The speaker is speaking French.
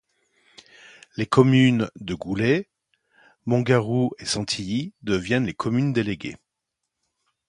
Les communes de Goulet, Montgaroult et Sentilly deviennent des communes déléguées.